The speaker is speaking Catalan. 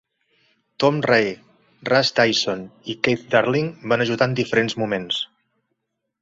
Tom Ray, Russ Dyson i Keith Darling van ajudar en diferents moments.